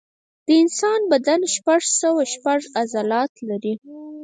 د انسان بدن شپږ سوه شپږ عضلات لري.